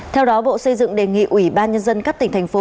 theo đó bộ xây dựng đề nghị ủy ban nhân dân các tỉnh thành phố